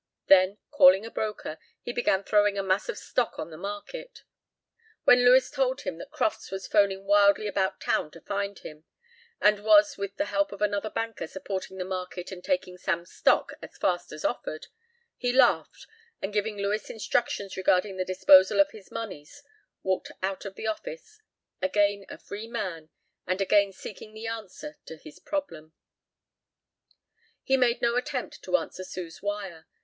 Then, calling a broker, he began throwing a mass of stock on the market. When Lewis told him that Crofts was 'phoning wildly about town to find him, and was with the help of another banker supporting the market and taking Sam's stocks as fast as offered, he laughed and giving Lewis instructions regarding the disposal of his monies walked out of the office, again a free man and again seeking the answer to his problem. He made no attempt to answer Sue's wire.